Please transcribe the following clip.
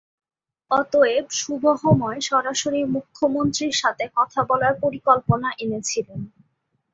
অতএব, সুবহময় সরাসরি মুখ্যমন্ত্রীর সাথে কথা বলার পরিকল্পনা এনেছিলেন।